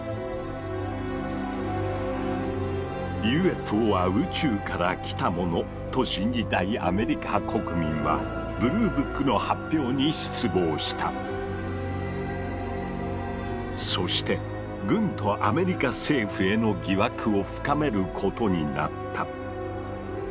「ＵＦＯは宇宙から来たもの」と信じたいアメリカ国民はそして軍とアメリカ政府への疑惑を深めることになった。